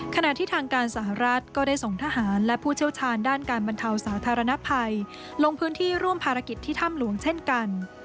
ขณะที่ทางการสหรัฐก็ได้ส่งทหารและผู้เชี่ยวชาญด้านการบรรเทาสาธารณภัยลงพื้นที่ร่วมภารกิจที่ถ้ำหลวงเช่นกัน